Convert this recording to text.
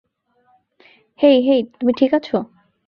হেই hey তুমি ঠিক আছো?